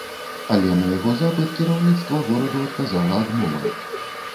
Але на яго запыт кіраўніцтва гораду адказала адмовай.